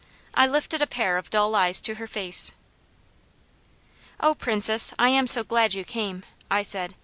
I lifted a pair of dull eyes to her face. "Oh Princess, I am so glad you came," I said.